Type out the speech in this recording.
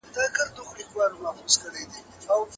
مرستې تل دوام نه کوي.